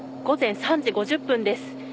午前３時５０分です。